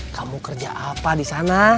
kamu kerja apa disana